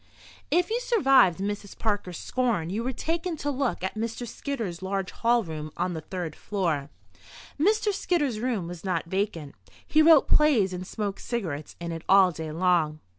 If you survived Mrs. Parker's scorn, you were taken to look at Mr. Skidder's large hall room on the third floor. Mr. Skidder's room was not vacant. He wrote plays and smoked cigarettes in it all day long.